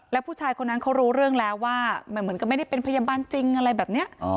แล้วผู้ชายคนนั้นเขารู้เรื่องแล้วว่าเหมือนกับไม่ได้เป็นพยาบาลจริงอะไรแบบนี้